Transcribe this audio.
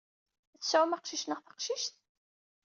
Ad tesɛum aqcic neɣ d taqcict?